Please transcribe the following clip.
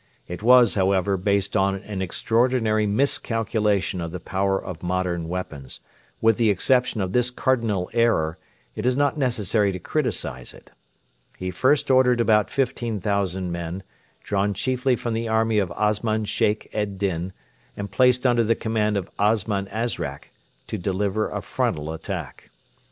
It was, however, based on an extraordinary miscalculation of the power of modern weapons; with the exception of this cardinal error, it is not necessary to criticise it. He first ordered about 15,000 men, drawn chiefly from the army of Osman Sheikh ed Din and placed under the command of Osman Azrak, to deliver a frontal attack.